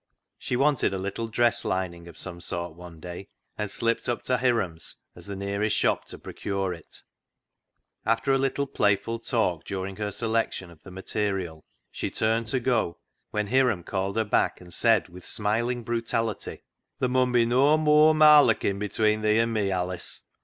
She wanted a little dress lining of some sort one day, and slipped up to Hiram's as the nearest shop to procure it. 132 CLOG SHOP CHRONICLES After a little playful talk during her selec tion of the material, she turned to go, when Hiram called her back and said with smiling brutality —" Ther' mun be noa moar marlocking be tween thee an' me, Alice.